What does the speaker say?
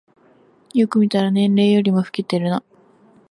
よく見たら年齢よりも老けてるな